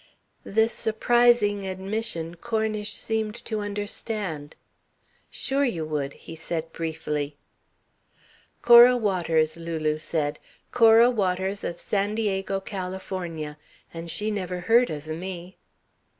This surprising admission Cornish seemed to understand. "Sure you would," he said briefly. "Cora Waters," Lulu said. "Cora Waters, of San Diego, California. And she never heard of me."